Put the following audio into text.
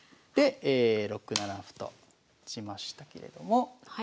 で６七歩と打ちましたけれども。